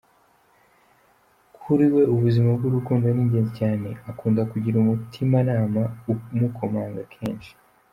Kuri we ubuzima bw’urukundo ni ingenzi cyane, akunda kugira umutimanama umukomanga kenshi.